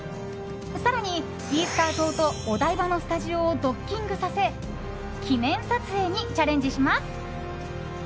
更に、イースター島とお台場のスタジオをドッキングさせ記念撮影にチャレンジします。